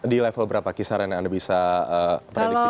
di level berapa kisaran yang anda bisa prediksi